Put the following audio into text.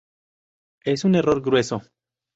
Es un error grueso.